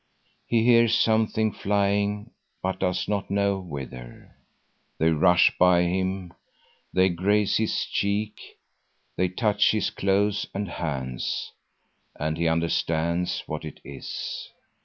He hears something flying but does not know whither. They rush by him; they graze his cheek; they touch his clothes and hands; and he understands what it is.